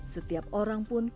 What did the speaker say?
setiap orang pun